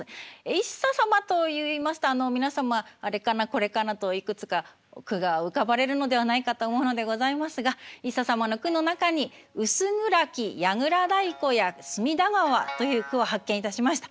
一茶様といいますと皆様あれかなこれかなといくつか句が浮かばれるのではないかと思うのでございますが一茶様の句の中に「薄暗き櫓太鼓や隅田川」という句を発見いたしました。